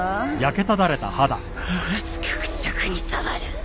ものすごくしゃくに障る。